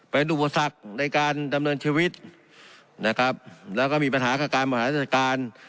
เป็นอุบัติศักดิ์ในการดำเนินชีวิตและมีปัญหาการมหัสการ